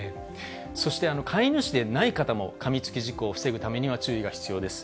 そして、飼い主でない方も、かみつき事故を防ぐためには注意が必要です。